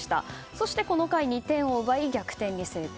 そしてこの回、２点を奪い逆転に成功。